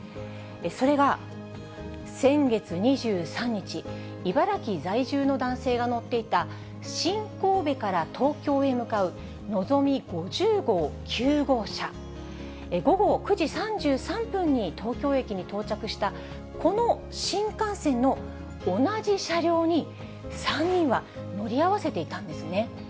それが先月２３日、茨城在住の男性が乗っていた新神戸から東京へ向かう、のぞみ５０号９号車、午後９時３３分に東京駅に到着した、この新幹線の同じ車両に３人は乗り合わせていたんですね。